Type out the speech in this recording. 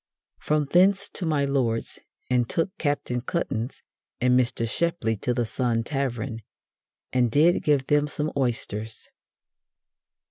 From thence to my Lord's, and took Captain Cuttance and Mr. Shepley to the Sun Tavern, and did give them some oysters."